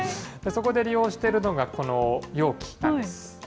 そこで利用してるのがこの容器なんです。